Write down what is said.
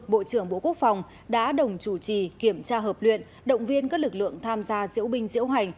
bộ trưởng bộ quốc phòng đã đồng chủ trì kiểm tra hợp luyện động viên các lực lượng tham gia diễu binh diễu hành